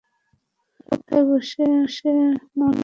তো, কোথায় বসে মন খারাপ করব?